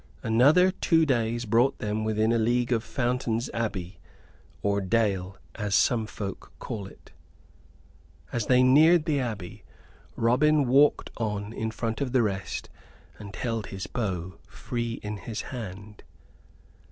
Another two days brought them within a league of Fountain's Abbey or Dale, as some folk call it. As they neared the Abbey Robin walked on in front of the rest and held his bow free in his hand.